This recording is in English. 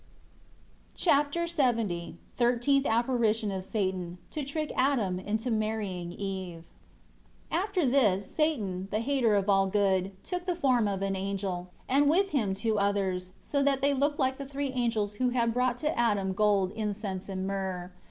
Chapter LXX Thirteenth apparition of Satan, to trick Adam into marrying Eve. 1 After this Satan, the hater of all good, took the form of an angel, and with him two others, so that they looked like the three angels who had brought to Adam gold, incense, and myrrh.